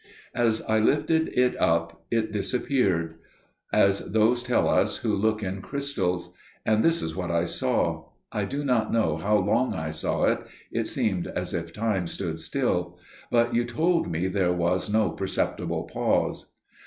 "As I lifted It up It disappeared; as those tell us who look in crystals. And this is what I saw. I do not know how long I saw it, it seemed as if time stood still, but you told me there was no perceptible pause.